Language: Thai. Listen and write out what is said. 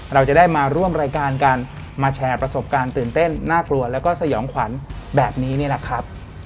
เราจะได้มาร่วมรายการกันมาแชร์ประสบการณ์ตื่นเต้นน่ากลัวแล้วก็สยองขวัญแบบนี้นี่แหละครับ